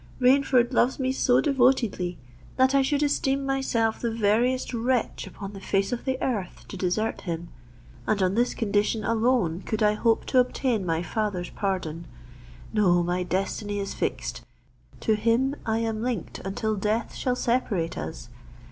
Rainford loves me so devotedly, that I should esteem myself the veriest wretch upon the face of the earth to desert him; and on this condition alone could I hope to obtain my father's pardon. No: my destiny is fixed; to him I am linked until death shall separate us!